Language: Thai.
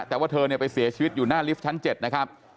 แต่ว่าเธอเนี่ยไปเสียชีวิตอยู่หน้าลิฟท์ชั้น๗นะครับ